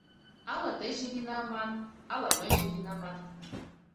Ала тыйже винамат, ала мыйже винамат, -